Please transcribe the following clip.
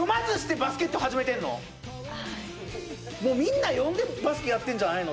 もうみんな読んでバスケやってんじゃないの？